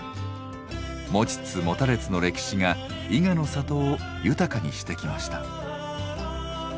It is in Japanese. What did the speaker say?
持ちつ持たれつの歴史が伊賀の里を豊かにしてきました。